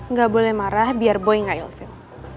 nggak boleh marah biar boy nggak elvin